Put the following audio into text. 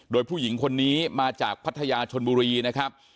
โดยผู้หญิงคนนี้มาจากพัทยาชนบุรีนะครับ